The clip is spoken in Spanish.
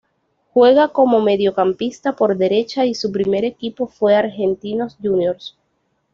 Juega como mediocampista por derecha y su primer equipo fue Argentinos Juniors.